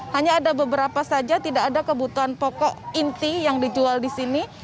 hanya ada beberapa saja tidak ada kebutuhan pokok inti yang dijual di sini